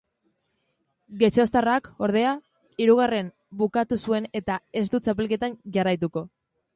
Getxoztarrak, ordea, hirugarren bukatu zuen eta ez du txapelketan jarraituko.